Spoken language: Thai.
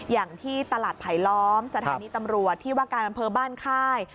อย่างที่ตลาดไผลล้อมสถานีตำรวจที่ว่าการอำเภอบ้านค่าย